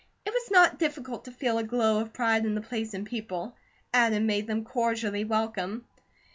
It was not difficult to feel a glow of pride in the place and people. Adam made them cordially welcome.